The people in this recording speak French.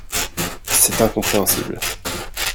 C’est incompréhensible